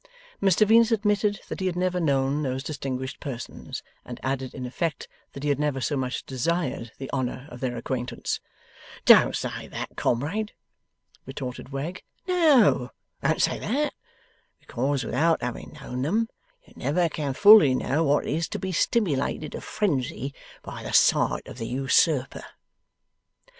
Mr Venus admitted that he had never known those distinguished persons, and added, in effect, that he had never so much as desired the honour of their acquaintance. 'Don't say that, comrade!' retorted Wegg: 'No, don't say that! Because, without having known them, you never can fully know what it is to be stimilated to frenzy by the sight of the Usurper.